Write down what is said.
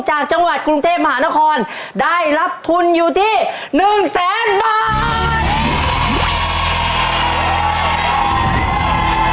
จากจังหวัดกรุงเทพมหานครได้รับทุนอยู่ที่๑แสนบาท